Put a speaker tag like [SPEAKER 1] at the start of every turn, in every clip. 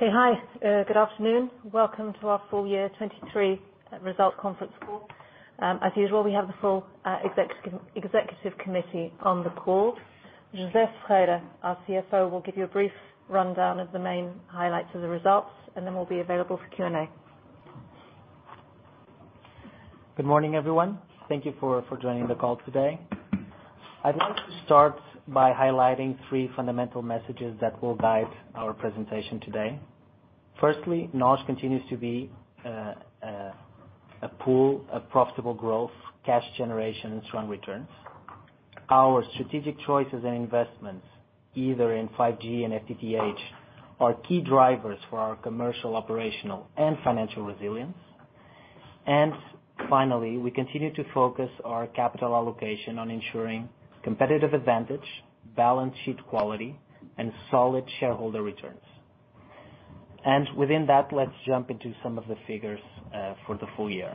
[SPEAKER 1] Okay, hi, good afternoon. Welcome to our full year 2023 results conference call. As usual, we have the full executive committee on the call. José Ferreira, our CFO, will give you a brief rundown of the main highlights of the results, and then we'll be available for Q&A.
[SPEAKER 2] Good morning, everyone. Thank you for, for joining the call today. I'd like to start by highlighting three fundamental messages that will guide our presentation today. Firstly, NOS continues to be a pool of profitable growth, cash generation, and strong returns. Our strategic choices and investments, either in 5G and FTTH, are key drivers for our commercial, operational, and financial resilience. And finally, we continue to focus our capital allocation on ensuring competitive advantage, balance sheet quality, and solid shareholder returns. Within that, let's jump into some of the figures for the full year.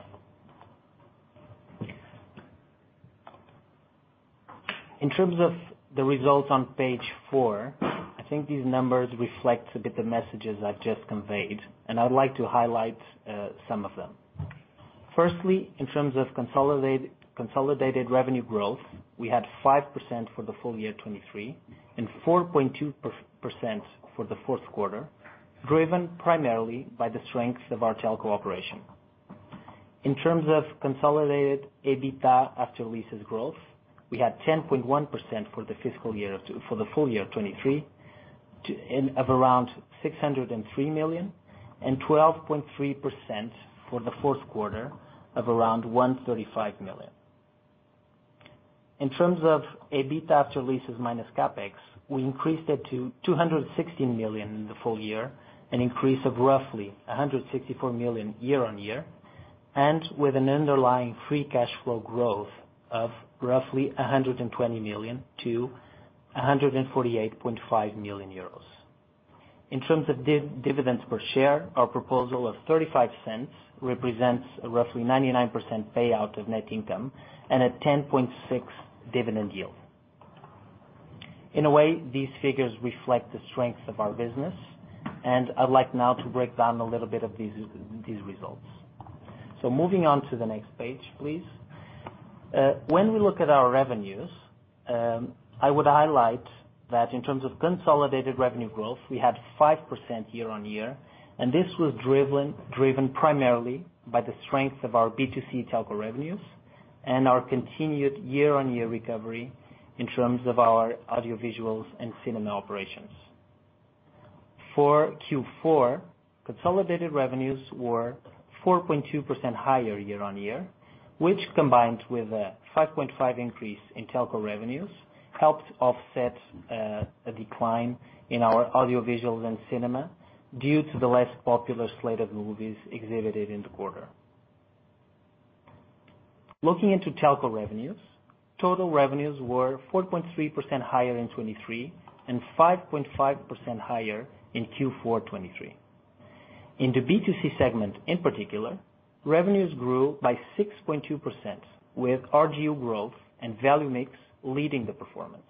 [SPEAKER 2] In terms of the results on page four, I think these numbers reflect a bit the messages I just conveyed, and I would like to highlight some of them. Firstly, in terms of consolidated revenue growth, we had 5% for the full year 2023, and 4.2% for the fourth quarter, driven primarily by the strengths of our telco operation. In terms of consolidated EBITDA after leases growth, we had 10.1% for the full year 2023, and of around 603 million, and 12.3% for the fourth quarter of around 135 million. In terms of EBITDA after leases minus CapEx, we increased it to 260 million in the full year, an increase of roughly 164 million year-on-year, and with an underlying free cash flow growth of roughly 120 million to 148.5 million euros. In terms of dividends per share, our proposal of 0.35 represents a roughly 99% payout of net income and a 10.6% dividend yield. In a way, these figures reflect the strength of our business, and I'd like now to break down a little bit of these results. So moving on to the next page, please. When we look at our revenues, I would highlight that in terms of consolidated revenue growth, we had 5% year-on-year, and this was driven primarily by the strength of our B2C telco revenues and our continued year-on-year recovery in terms of our audiovisuals and cinema operations. For Q4, consolidated revenues were 4.2% higher year-on-year, which combined with a 5.5% increase in telco revenues, helped offset a decline in our audiovisuals and cinema due to the less popular slate of movies exhibited in the quarter. Looking into telco revenues, total revenues were 4.3% higher in 2023 and 5.5% higher in Q4 2023. In the B2C segment, in particular, revenues grew by 6.2%, with RGU growth and value mix leading the performance,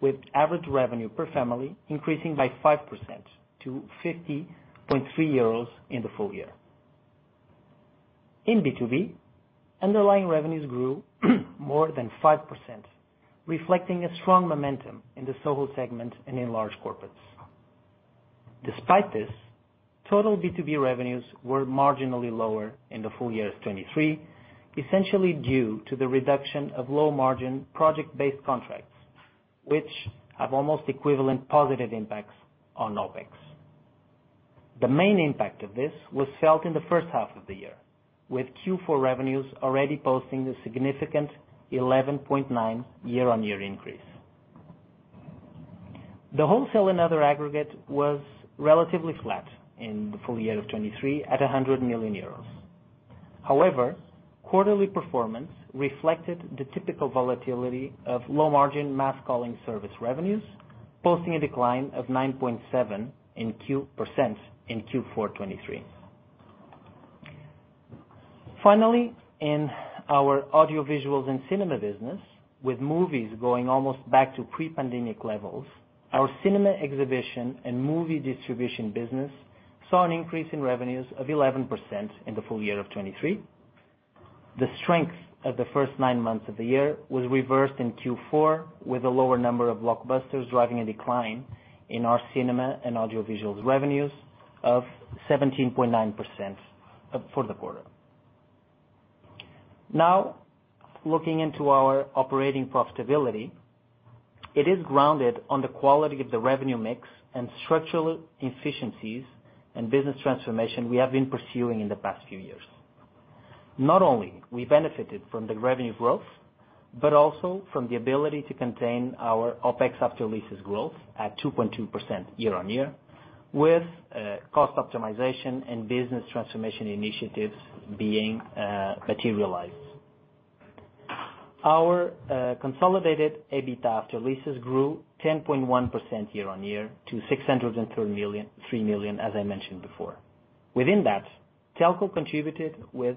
[SPEAKER 2] with average revenue per family increasing by 5% to 50.3 euros in the full year. In B2B, underlying revenues grew more than 5%, reflecting a strong momentum in the soHo segment and in large corporates. Despite this, total B2B revenues were marginally lower in the full year of 2023, essentially due to the reduction of low-margin, project-based contracts, which have almost equivalent positive impacts on OpEx. The main impact of this was felt in the first half of the year, with Q4 revenues already posting a significant 11.9 year-on-year increase. The wholesale and other aggregate was relatively flat in the full year of 2023 at 100 million euros. However, quarterly performance reflected the typical volatility of low-margin, mass calling service revenues, posting a decline of 9.7% in Q4 2023. Finally, in our audiovisuals and cinema business, with movies going almost back to pre-pandemic levels, our cinema exhibition and movie distribution business saw an increase in revenues of 11% in the full year of 2023. The strength of the first nine months of the year was reversed in Q4, with a lower number of blockbusters, driving a decline in our cinema and audiovisuals revenues of 17.9%, for the quarter. Now, looking into our operating profitability, it is grounded on the quality of the revenue mix and structural efficiencies and business transformation we have been pursuing in the past few years. Not only we benefited from the revenue growth, but also from the ability to contain our OpEx after leases growth at 2.2% year-on-year, with cost optimization and business transformation initiatives being materialized. Our consolidated EBITDA after leases grew 10.1% year-on-year to 603 million, as I mentioned before. Within that, telco contributed with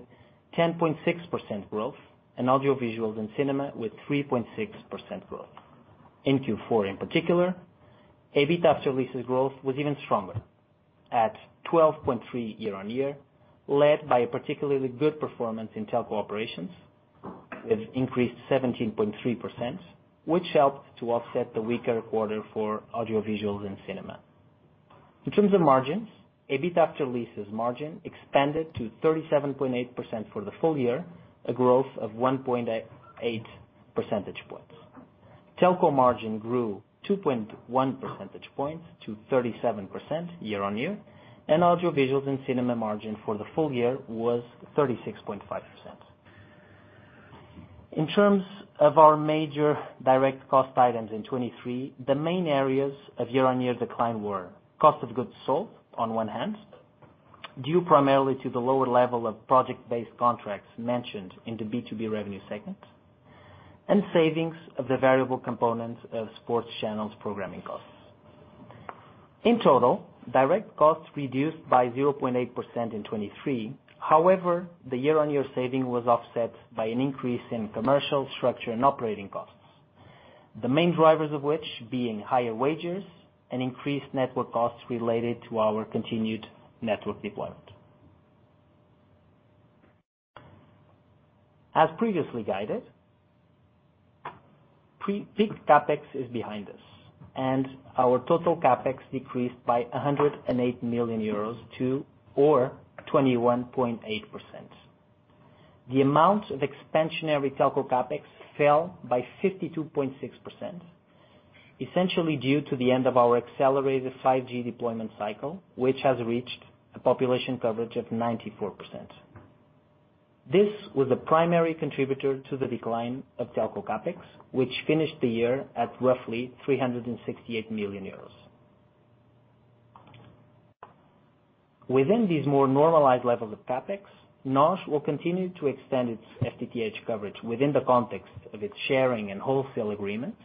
[SPEAKER 2] 10.6% growth and audiovisuals and cinema with 3.6% growth. In Q4, in particular, EBITDA after leases growth was even stronger at 12.3 year-on-year, led by a particularly good performance in telco operations, with increased 17.3%, which helped to offset the weaker quarter for audiovisual and cinema. In terms of margins, EBITDA after leases margin expanded to 37.8% for the full year, a growth of 1.8 percentage points. Telco margin grew 2.1 percentage points to 37% year-on-year, and audiovisuals and cinema margin for the full year was 36.5%. In terms of our major direct cost items in 2023, the main areas of year-on-year decline were cost of goods sold on one hand, due primarily to the lower level of project-based contracts mentioned in the B2B revenue segment, and savings of the variable components of sports channels programming costs. In total, direct costs reduced by 0.8% in 2023. However, the year-on-year saving was offset by an increase in commercial structure and operating costs, the main drivers of which being higher wages and increased network costs related to our continued network deployment. As previously guided, pre-peak CapEx is behind us, and our total CapEx decreased by 108 million euros to or 21.8%. The amount of expansionary telco CapEx fell by 52.6%, essentially due to the end of our accelerated 5G deployment cycle, which has reached a population coverage of 94%. This was a primary contributor to the decline of telco CapEx, which finished the year at roughly 368 million euros. Within these more normalized levels of CapEx, NOS will continue to extend its FTTH coverage within the context of its sharing and wholesale agreements,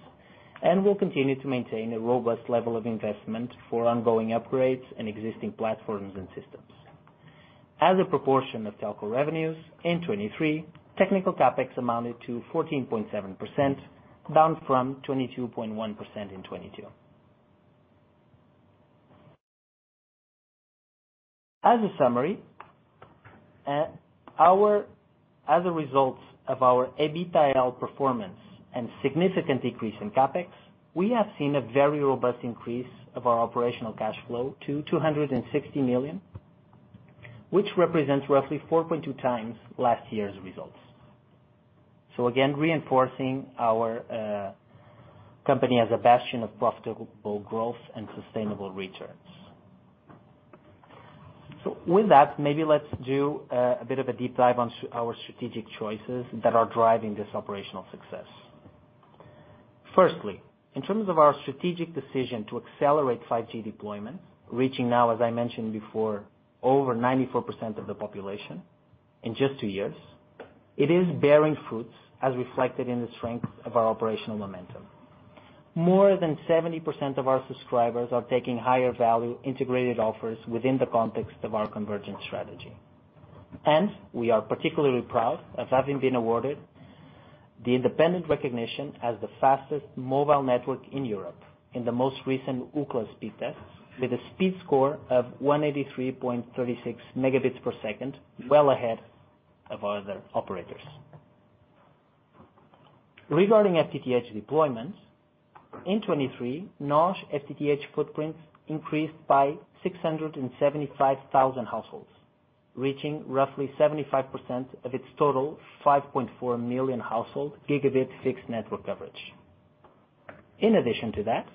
[SPEAKER 2] and will continue to maintain a robust level of investment for ongoing upgrades and existing platforms and systems. As a proportion of telco revenues, in 2023, technical CapEx amounted to 14.7%, down from 22.1% in 2022. As a summary, our, as a result of our EBITDA performance and significant decrease in CapEx, we have seen a very robust increase of our operational cash flow to 260 million, which represents roughly 4.2 times last year's results. So again, reinforcing our company as a bastion of profitable growth and sustainable returns. So with that, maybe let's do a bit of a deep dive on our strategic choices that are driving this operational success. Firstly, in terms of our strategic decision to accelerate 5G deployment, reaching now, as I mentioned before, over 94% of the population in just two years, it is bearing fruits, as reflected in the strength of our operational momentum. More than 70% of our subscribers are taking higher value integrated offers within the context of our convergence strategy. We are particularly proud of having been awarded the independent recognition as the fastest mobile network in Europe in the most recent Ookla Speedtest, with a speed score of 183.36 Mbps, well ahead of other operators. Regarding FTTH deployments, in 2023, NOS FTTH footprints increased by 675,000 households, reaching roughly 75% of its total 5.4 million household gigabit fixed network coverage. In addition to that,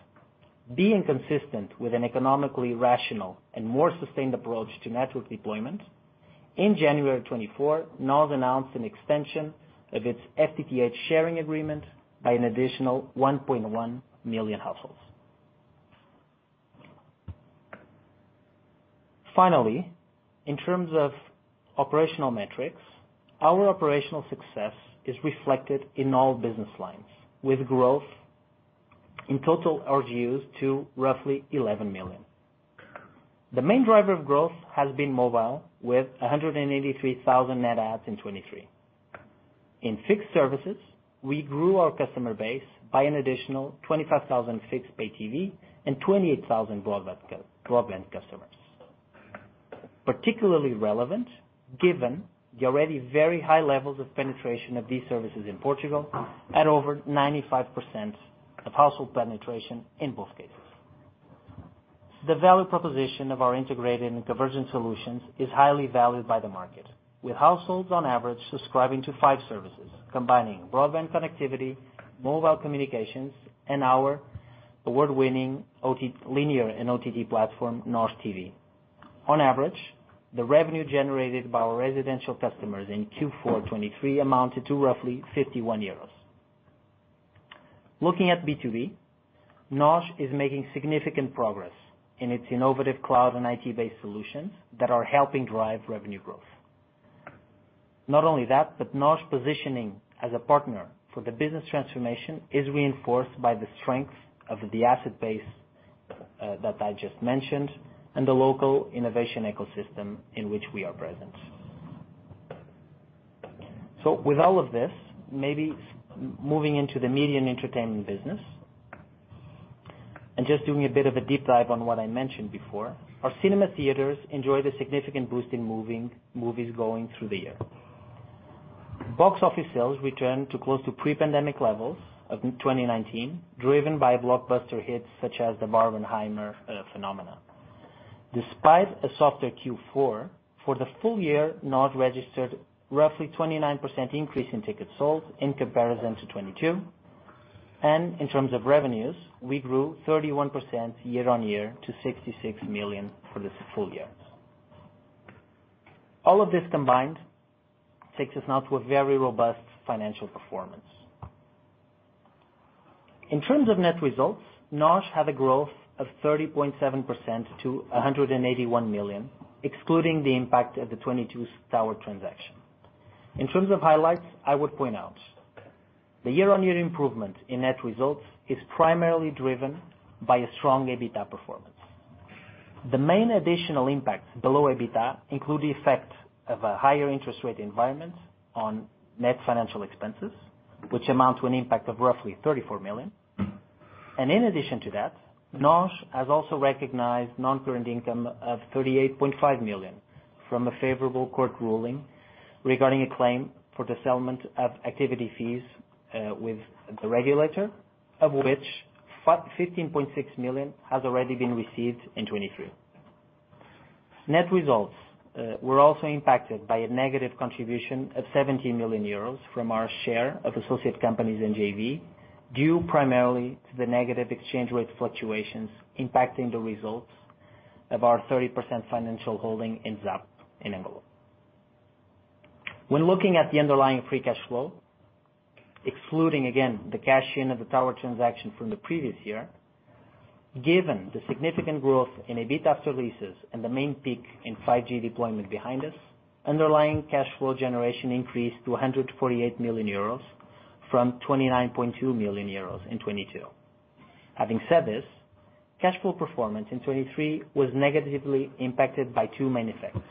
[SPEAKER 2] being consistent with an economically rational and more sustained approach to network deployment, in January of 2024, NOS announced an extension of its FTTH sharing agreement by an additional 1.1 million households. Finally, in terms of operational metrics, our operational success is reflected in all business lines, with growth in total RGs to roughly 11 million. The main driver of growth has been mobile, with 183,000 net adds in 2023. In fixed services, we grew our customer base by an additional 25,000 fixed pay TV and 28,000 broadband customers. Particularly relevant, given the already very high levels of penetration of these services in Portugal at over 95% of household penetration in both cases. The value proposition of our integrated and convergent solutions is highly valued by the market, with households on average subscribing to five services, combining broadband connectivity, mobile communications, and our award-winning OTT-linear and OTT platform, NOS TV. On average, the revenue generated by our residential customers in Q4 2023 amounted to roughly 51 euros. Looking at B2B, NOS is making significant progress in its innovative cloud and IT-based solutions that are helping drive revenue growth. Not only that, but NOS's positioning as a partner for the business transformation is reinforced by the strength of the asset base that I just mentioned, and the local innovation ecosystem in which we are present. So with all of this, maybe moving into the media and entertainment business, and just doing a bit of a deep dive on what I mentioned before, our cinema theaters enjoyed a significant boost in movie-going through the year. Box office sales returned to close to pre-pandemic levels of 2019, driven by blockbuster hits such as the Barbenheimer phenomena. Despite a softer Q4, for the full year, NOS registered roughly 29% increase in tickets sold in comparison to 2022, and in terms of revenues, we grew 31% year-on-year to 66 million for this full year. All of this combined takes us now to a very robust financial performance. In terms of net results, NOS had a growth of 30.7% to 181 million, excluding the impact of the 2022 tower transaction. In terms of highlights, I would point out: the year-on-year improvement in net results is primarily driven by a strong EBITDA performance. The main additional impacts below EBITDA include the effect of a higher interest rate environment on net financial expenses, which amount to an impact of roughly 34 million. And in addition to that, NOS has also recognized non-current income of 38.5 million from a favorable court ruling regarding a claim for the settlement of activity fees with the regulator, of which 15.6 million has already been received in 2023. Net results were also impacted by a negative contribution of 70 million euros from our share of associate companies in JV, due primarily to the negative exchange rate fluctuations impacting the results of our 30% financial holding in ZAP in Angola. When looking at the underlying free cash flow, excluding, again, the cash in of the tower transaction from the previous year, given the significant growth in EBITDA after leases and the main peak in 5G deployment behind us, underlying cash flow generation increased to 148 million euros from 29.2 million euros in 2022. Having said this, cash flow performance in 2023 was negatively impacted by two main effects.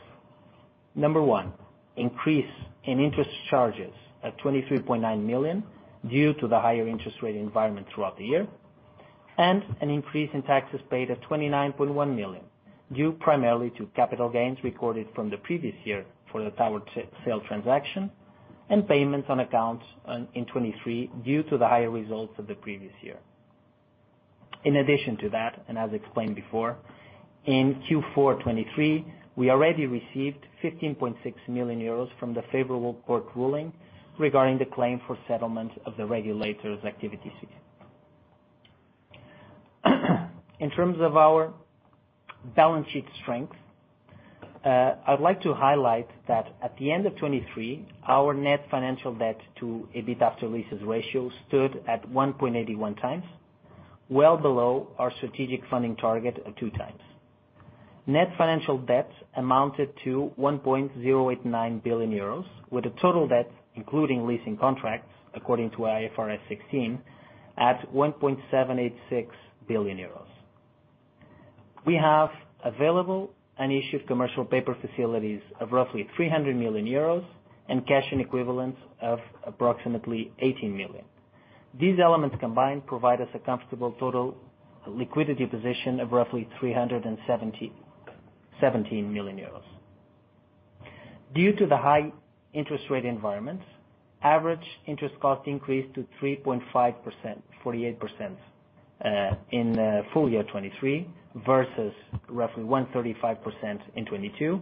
[SPEAKER 2] Number one, increase in interest charges at 23.9 million due to the higher interest rate environment throughout the year, and an increase in taxes paid at 29.1 million, due primarily to capital gains recorded from the previous year for the tower sale transaction, and payments on accounts in 2023 due to the higher results of the previous year. In addition to that, and as explained before, in Q4 2023, we already received 15.6 million euros from the favorable court ruling regarding the claim for settlement of the regulator's activity fees. In terms of our balance sheet strength, I'd like to highlight that at the end of 2023, our net financial debt to EBITDA after leases ratio stood at 1.81x, well below our strategic funding target of 2x. Net financial debt amounted to 1.089 billion euros, with a total debt including leasing contracts, according to IFRS 16, at 1.786 billion euros. We have available unissued commercial paper facilities of roughly 300 million euros and cash and equivalents of approximately 18 million. These elements combined provide us a comfortable total liquidity position of roughly 317 million euros. Due to the high interest rate environment, average interest cost increased to 3.5%, 48%, in full year 2023, versus roughly 1.35% in 2022,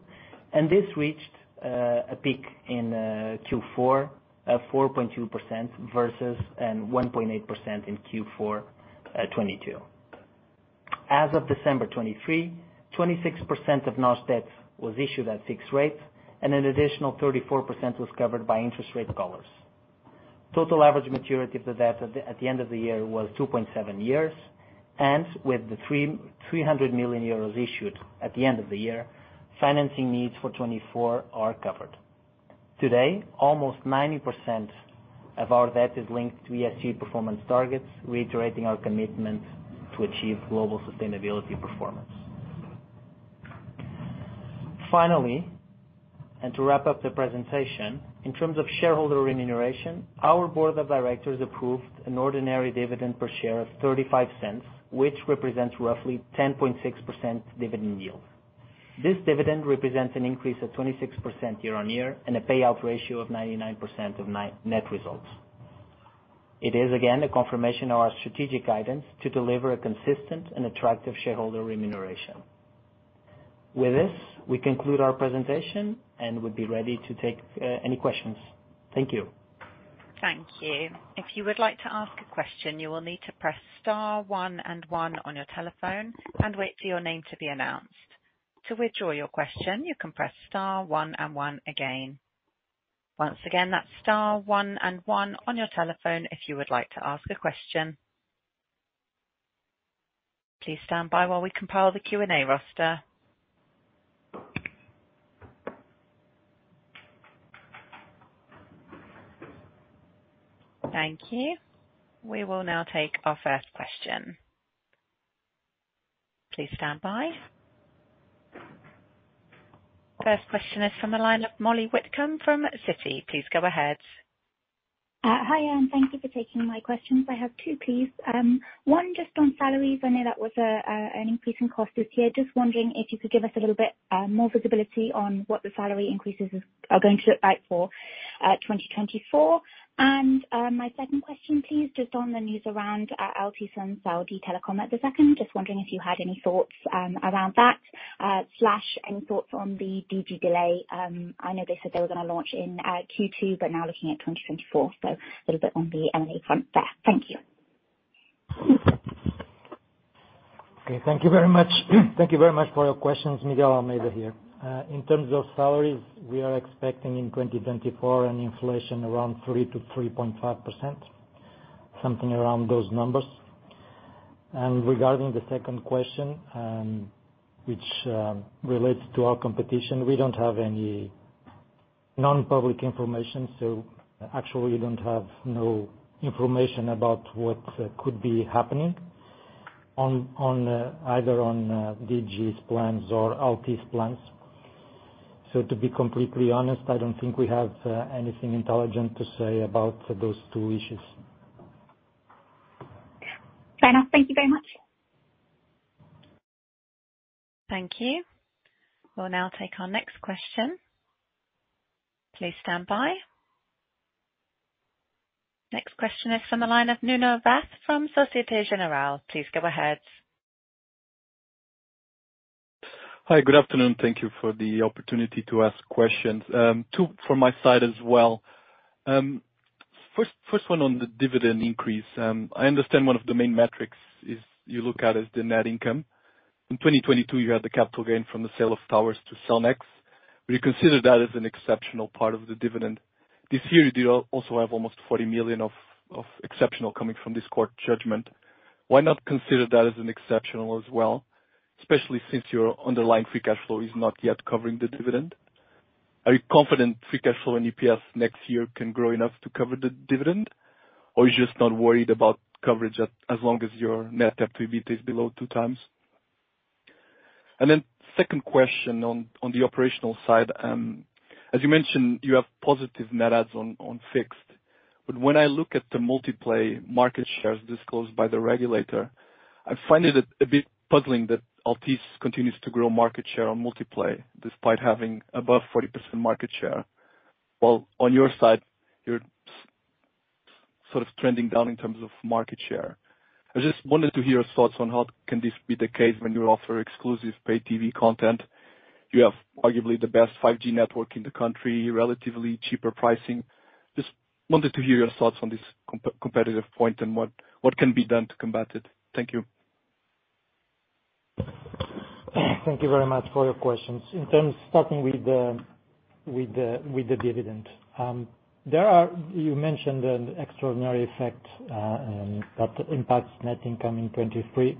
[SPEAKER 2] and this reached a peak in Q4 of 4.2% versus and 1.8% in Q4 2022. As of December 2023, 26% of NOS debt was issued at fixed rates, and an additional 34% was covered by interest rate covers. Total average maturity of the debt at the end of the year was 2.7 years, and with the 300 million euros issued at the end of the year, financing needs for 2024 are covered. Today, almost 90% of our debt is linked to ESG performance targets, reiterating our commitment to achieve global sustainability performance. Finally, and to wrap up the presentation, in terms of shareholder remuneration, our board of directors approved an ordinary dividend per share of 0.35, which represents roughly 10.6% dividend yield. This dividend represents an increase of 26% year-on-year and a payout ratio of 99% of net results.It is, again, a confirmation of our strategic guidance to deliver a consistent and attractive shareholder remuneration. With this, we conclude our presentation and would be ready to take any questions. Thank you.
[SPEAKER 3] Thank you. If you would like to ask a question, you will need to press star one and one on your telephone and wait for your name to be announced. To withdraw your question, you can press star one and one again. Once again, that's star one and one on your telephone if you would like to ask a question. Please stand by while we compile the Q&A roster. Thank you. We will now take our first question. Please stand by. First question is from the line of Molly Whitcomb from Citi. Please go ahead.
[SPEAKER 4] Hi, and thank you for taking my questions. I have two, please. One just on salaries. I know that was a, an increase in cost this year. Just wondering if you could give us a little bit, more visibility on what the salary increases is, are going to look like for 2024? And, my second question, please, just on the news around, Altice from Saudi Telecom at the second. Just wondering if you had any thoughts, around that, slash any thoughts on the Digi delay? I know they said they were gonna launch in, Q2, but now looking at 2024, so a little bit on the M&A front there. Thank you.
[SPEAKER 1] Okay, thank you very much. Thank you very much for your questions, Miguel Almeida here. In terms of salaries, we are expecting in 2024 an inflation around 3%-3.5%, something around those numbers. And regarding the second question, which relates to our competition, we don't have any non-public information, so actually we don't have no information about what could be happening on Digi's plans or Altice's plans. So to be completely honest, I don't think we have anything intelligent to say about those two issues.
[SPEAKER 4] Fair enough. Thank you very much.
[SPEAKER 3] Thank you. We'll now take our next question. Please stand by. Next question is from the line of Nuno Vaz from Société Générale. Please go ahead.
[SPEAKER 5] Hi, good afternoon. Thank you for the opportunity to ask questions. Two from my side as well. First one on the dividend increase. I understand one of the main metrics is, you look at, is the net income. In 2022, you had the capital gain from the sale of towers to Cellnex. Would you consider that as an exceptional part of the dividend? This year, you do also have almost 40 million of exceptional coming from this court judgment. Why not consider that as an exceptional as well, especially since your underlying free cash flow is not yet covering the dividend? Are you confident free cash flow and EPS next year can grow enough to cover the dividend? Or you're just not worried about coverage as long as your net activity is below 2x? And then second question on the operational side. As you mentioned, you have positive net adds on fixed. But when I look at the multi-play market shares disclosed by the regulator, I find it a bit puzzling that Altice continues to grow market share on multi-play, despite having above 40% market share. While on your side, you're sort of trending down in terms of market share. I just wanted to hear your thoughts on how can this be the case when you offer exclusive pay TV content, you have arguably the best 5G network in the country, relatively cheaper pricing. Just wanted to hear your thoughts on this competitive point and what can be done to combat it. Thank you.
[SPEAKER 1] Thank you very much for your questions. In terms, starting with the dividend. You mentioned an extraordinary effect that impacts net income in 2023.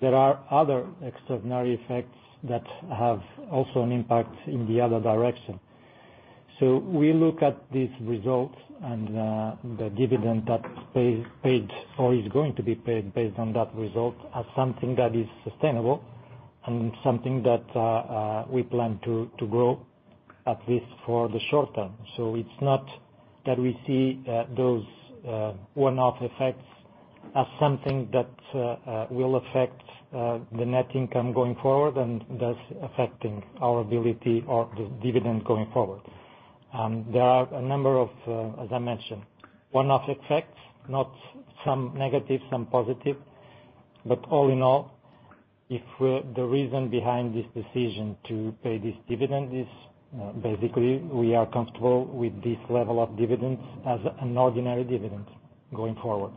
[SPEAKER 1] There are other extraordinary effects that have also an impact in the other direction. So we look at these results and the dividend that paid or is going to be paid based on that result, as something that is sustainable and something that we plan to grow, at least for the short term. So it's not that we see those one-off effects as something that will affect the net income going forward and thus affecting our ability or the dividend going forward. There are a number of, as I mentioned, one-off effects, some negative, some positive. But all in all, if the reason behind this decision to pay this dividend is, basically we are comfortable with this level of dividends as an ordinary dividend going forward.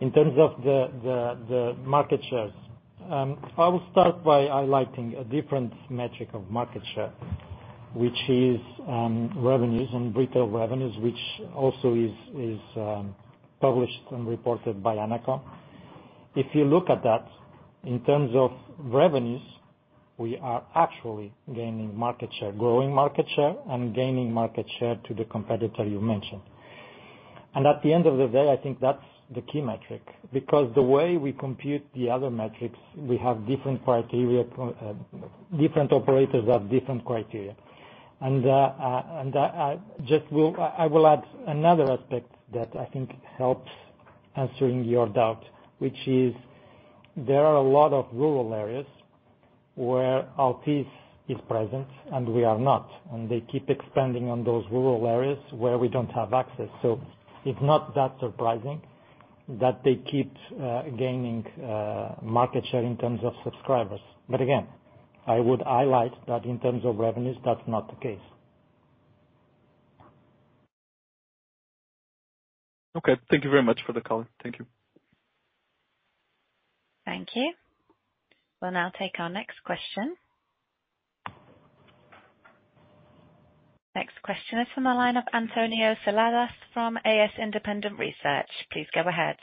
[SPEAKER 1] In terms of the market shares, I will start by highlighting a different metric of market share, which is revenues and retail revenues, which also is published and reported by ANACOM. If you look at that, in terms of revenues, we are actually gaining market share, growing market share, and gaining market share to the competitor you mentioned. And at the end of the day, I think that's the key metric, because the way we compute the other metrics, we have different criteria, different operators have different criteria. And I just will add another aspect that I think helps answering your doubt, which is there are a lot of rural areas where Altice is present and we are not, and they keep expanding on those rural areas where we don't have access. So it's not that surprising that they keep gaining market share in terms of subscribers. But again, I would highlight that in terms of revenues, that's not the case.
[SPEAKER 5] Okay. Thank you very much for the call. Thank you.
[SPEAKER 3] Thank you. We'll now take our next question. Next question is from the line of António Seladas from AS Independent Research. Please go ahead.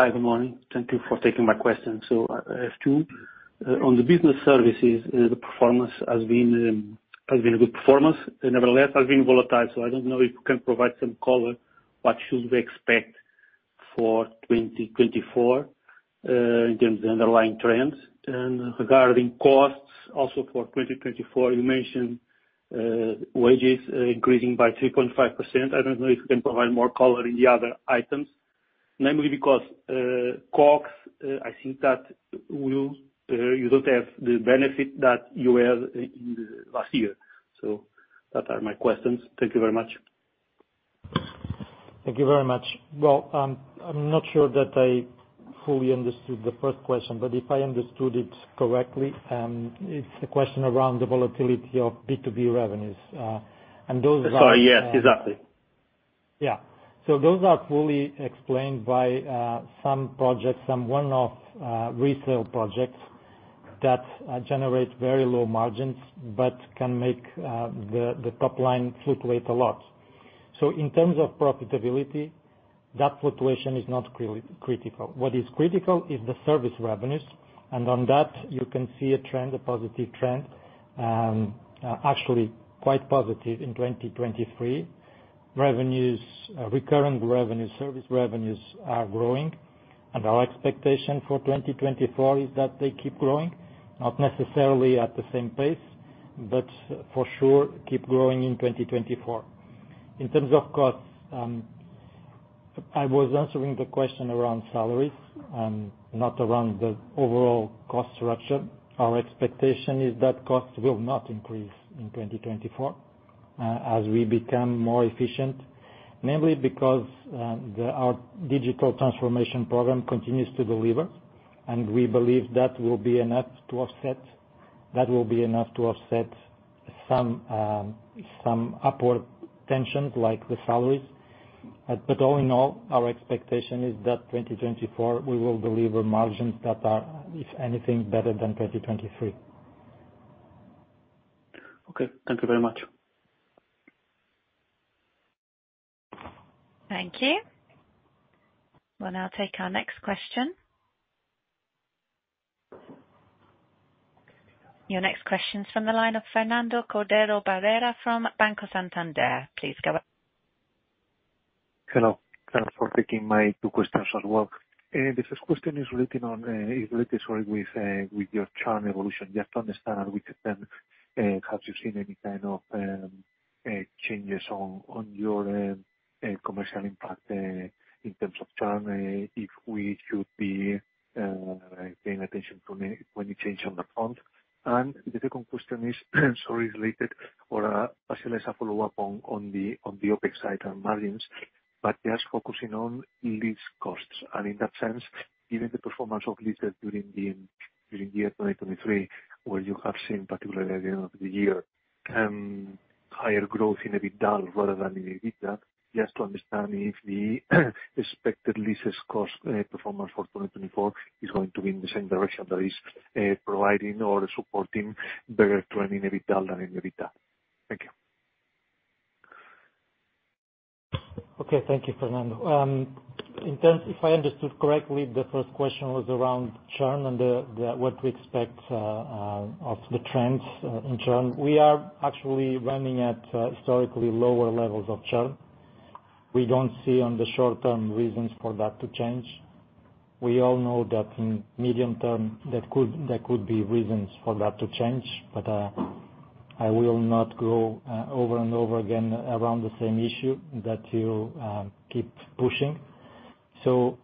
[SPEAKER 6] Hi, good morning. Thank you for taking my question. So I, I have two. On the business services, the performance has been, a good performance, and nevertheless, has been volatile, so I don't know if you can provide some color, what should we expect for 2024, in terms of underlying trends? And regarding costs, also for 2024, you mentioned, wages, increasing by 3.5%. I don't know if you can provide more color in the other items, namely because, costs, I think that will, you don't have the benefit that you had in the last year. So that are my questions. Thank you very much.
[SPEAKER 1] Thank you very much. Well, I'm not sure that I fully understood the first question, but if I understood it correctly, it's a question around the volatility of B2B revenues, and those are-
[SPEAKER 6] Sorry, yes, exactly.
[SPEAKER 1] Yeah. So those are fully explained by some projects, some one-off resale projects that generate very low margins, but can make the top line fluctuate a lot. So in terms of profitability, that fluctuation is not critical. What is critical is the service revenues, and on that, you can see a trend, a positive trend, actually quite positive in 2023. Revenues, recurrent revenue, service revenues are growing, and our expectation for 2024 is that they keep growing, not necessarily at the same pace, but for sure, keep growing in 2024. In terms of costs, I was answering the question around salaries, not around the overall cost structure. Our expectation is that costs will not increase in 2024, as we become more efficient, mainly because our digital transformation program continues to deliver. We believe that will be enough to offset some upward tensions, like the salaries. But all in all, our expectation is that 2024, we will deliver margins that are, if anything, better than 2023.
[SPEAKER 6] Okay. Thank you very much.
[SPEAKER 3] Thank you. We'll now take our next question. Your next question is from the line of Fernando Cordero from Banco Santander. Please go ahead.
[SPEAKER 7] Hello, thanks for taking my two questions as well. The first question is relating on, is related, sorry, with, with your churn evolution. Just to understand which of them have you seen any kind of changes on, on your commercial impact in terms of churn, if we should be paying attention to any, any change on that front? And the second question is, sorry, is related or, as well as a follow-up on, on the, on the OpEx side and margins, but just focusing on lease costs. In that sense, given the performance of leases during the year 2023, where you have seen, particularly at the end of the year, higher growth in EBITDA rather than in EBITDA, just to understand if the expected leases cost performance for 2024 is going to be in the same direction, that is, providing or supporting better trend in EBITDA than in EBITDA. Thank you.
[SPEAKER 1] Okay, thank you, Fernando. If I understood correctly, the first question was around churn and what we expect of the trends in churn. We are actually running at historically lower levels of churn. We don't see on the short term reasons for that to change. We all know that in medium term, there could be reasons for that to change, but I will not go over and over again around the same issue that you keep pushing. So,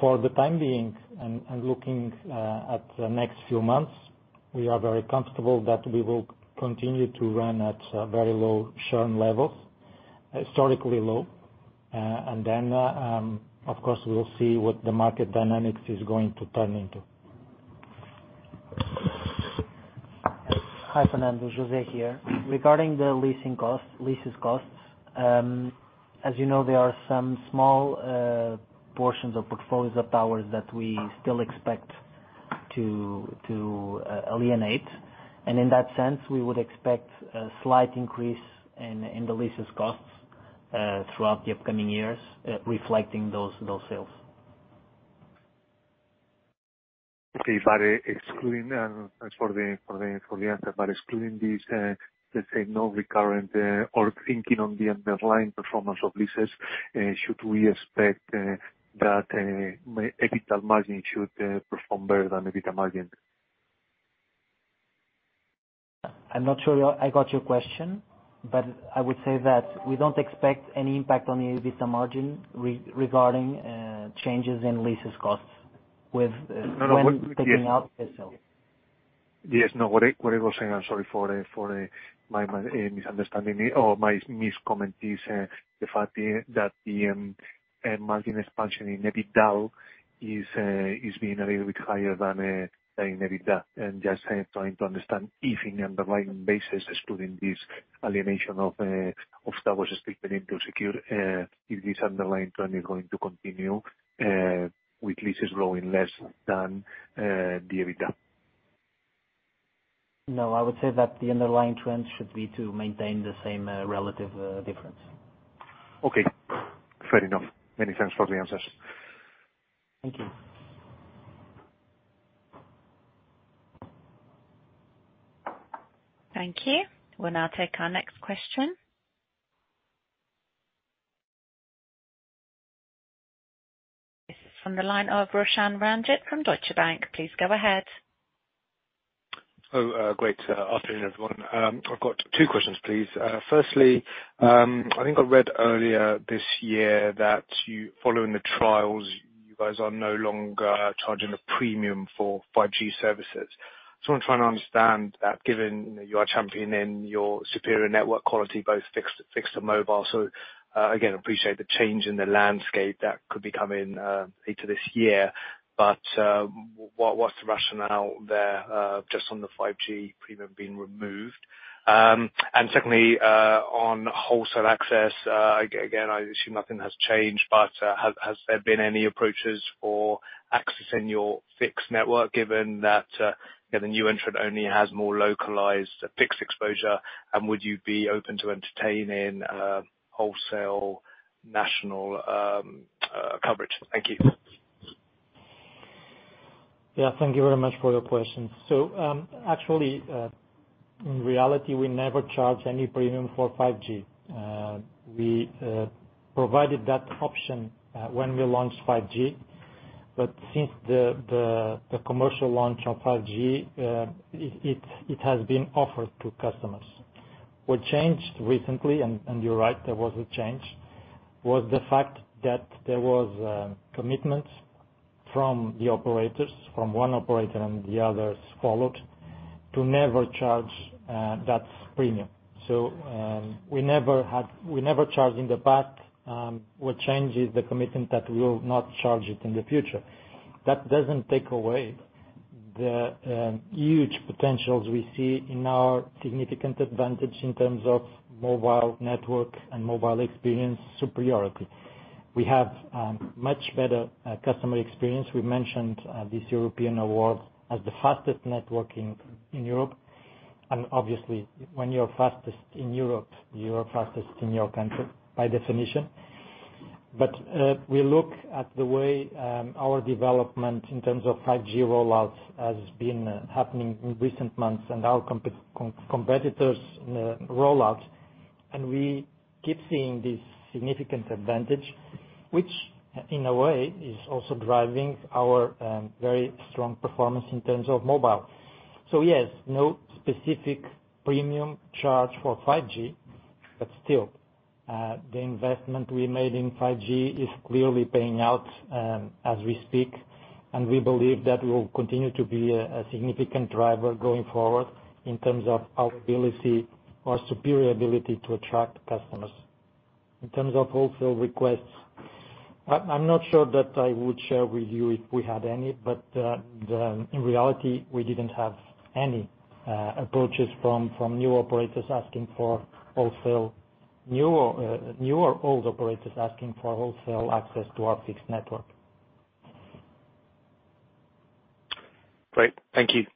[SPEAKER 1] for the time being and looking at the next few months, we are very comfortable that we will continue to run at very low churn levels, historically low. And then, of course, we will see what the market dynamics is going to turn into.
[SPEAKER 2] Hi, Fernando, José here. Regarding the leasing costs, leases costs, as you know, there are some small portions of portfolios of towers that we still expect to alienate. And in that sense, we would expect a slight increase in the leases costs throughout the upcoming years, reflecting those sales.
[SPEAKER 7] Okay. But excluding these, let's say, non-recurrent, or thinking on the underlying performance of leases, should we expect that EBITDA margin should perform better than EBITDA margin?
[SPEAKER 2] I'm not sure I got your question, but I would say that we don't expect any impact on the EBITDA margin regarding changes in lease costs with-
[SPEAKER 7] No, no.
[SPEAKER 2] Taking out the sale.
[SPEAKER 7] Yes, no, what I was saying, I'm sorry for my misunderstanding or my miscomment is the fact that the margin expansion in EBITDA is being a little bit higher than in EBITDA. And just trying to understand if on an underlying basis, excluding this elimination of towers to Cellnex, if this underlying trend is going to continue with leases growing less than the EBITDA.
[SPEAKER 2] No, I would say that the underlying trend should be to maintain the same relative difference.
[SPEAKER 7] Okay, fair enough. Many thanks for the answers.
[SPEAKER 2] Thank you.
[SPEAKER 3] Thank you. We'll now take our next question. This is from the line of Roshan Ranjit from Deutsche Bank. Please go ahead.
[SPEAKER 8] Oh, great. Afternoon, everyone. I've got two questions, please. Firstly, I think I read earlier this year that you, following the trials, you guys are no longer charging a premium for 5G services. So I'm trying to understand that, given you are championing your superior network quality, both fixed and mobile. So, again, I appreciate the change in the landscape that could be coming later this year. But, what's the rationale there, just on the 5G premium being removed? And secondly, on wholesale access, again, I assume nothing has changed, but has there been any approaches for accessing your fixed network, given that you know, the new entrant only has more localized fixed exposure? And would you be open to entertaining wholesale national coverage? Thank you.
[SPEAKER 1] Yeah, thank you very much for your question. So, actually, in reality, we never charged any premium for 5G. We provided that option when we launched 5G, but since the commercial launch of 5G, it has been offered to customers. What changed recently, and you're right, there was a change, was the fact that there was commitment from the operators, from one operator, and the others followed, to never charge that premium. So, we never had... We never charged in the past. What changes the commitment that we will not charge it in the future? That doesn't take away the huge potentials we see in our significant advantage in terms of mobile network and mobile experience superiority. We have much better customer experience. We mentioned this European award as the fastest network in Europe, and obviously, when you're fastest in Europe, you are fastest in your country, by definition. But we look at the way our development in terms of 5G rollouts has been happening in recent months and our competitors' rollouts, and we keep seeing this significant advantage, which, in a way, is also driving our very strong performance in terms of mobile. So yes, no specific premium charge for 5G, but still, the investment we made in 5G is clearly paying out as we speak, and we believe that will continue to be a significant driver going forward in terms of our ability, our superior ability to attract customers.In terms of wholesale requests, I'm not sure that I would share with you if we had any, but in reality, we didn't have any approaches from new or old operators asking for wholesale access to our fixed network.
[SPEAKER 8] Great. Thank you.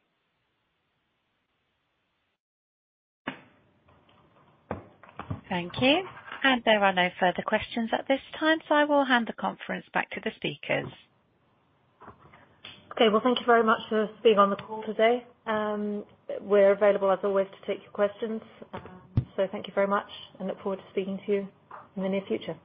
[SPEAKER 3] Thank you. There are no further questions at this time, so I will hand the conference back to the speakers.
[SPEAKER 1] Okay. Well, thank you very much for being on the call today. We're available, as always, to take your questions. Thank you very much, and look forward to speaking to you in the near future.